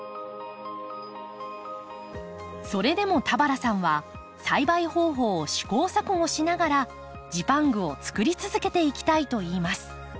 それでも田原さんは栽培方法を試行錯誤しながらジパングをつくり続けていきたいといいます。